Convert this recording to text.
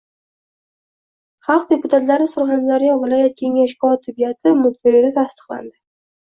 Xalq deputatlari Surxondaryo viloyat kengashi kotibiyati mudiri tasdiqlandi